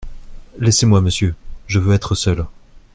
Laissez-moi, Monsieur ; je veux être seule.